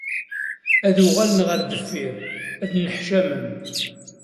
Ad uɣalen ɣer deffir, ad nneḥcamen.